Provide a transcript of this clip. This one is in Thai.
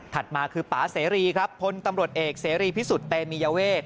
มาคือป่าเสรีครับพลตำรวจเอกเสรีพิสุทธิเตมียเวท